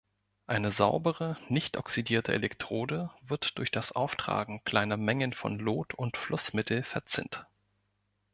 Eine saubere nicht oxidierte Elektrode wird durch das Auftragen kleiner Mengen von Lot und Flussmittel verzinnt.